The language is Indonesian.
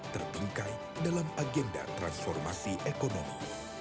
terbengkalai dalam agenda transformasi ekonomi